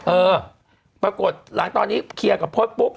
เออปรากฏตอนนี้เคลียร์กับพลดปุ๊บ